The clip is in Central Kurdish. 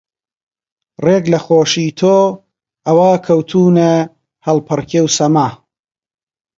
ڕێک لە خۆشی تۆ ئەوا کەوتوونە هەڵپەڕکێ و سەما